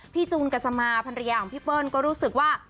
พี่จูนกัษมาพันเรียของพี่เปิ้ลก็รู้สึกว่า